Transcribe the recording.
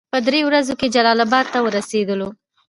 په دریو ورځو کې جلال اباد ته ورسېدلو.